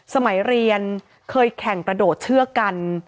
สมัยเรียนเคยแข่งกระโดดเชือกกัน